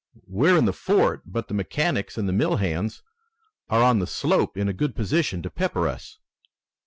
We're in the fort, but the mechanics and mill hands are on the slope in a good position to pepper us."